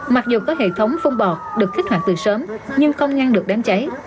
mặc dù có hệ thống phun bọt được kích hoạt từ sớm nhưng không ngăn được đám cháy